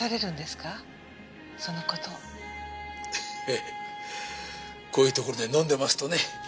ええこういうところで飲んでますとね。